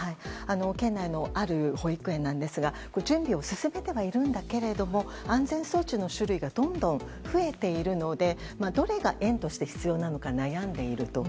県内の、ある保育園なんですが準備を進めてはいるんですが安全装置の種類がどんどん増えているのでどれが園として必要なのか悩んでいると。